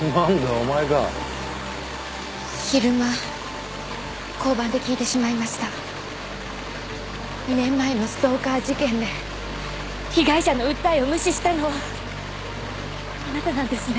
お前か昼間交番で聞いてしまいました２年前のストーカー事件で被害者の訴えを無視したのはあなたなんですね！